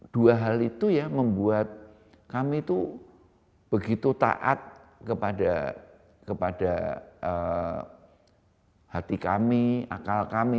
dua hal itu ya membuat kami itu begitu taat kepada hati kami akal kami